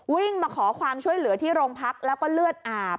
วิ่งมาขอความช่วยเหลือที่โรงพักแล้วก็เลือดอาบ